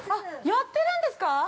◆やってるんですか！？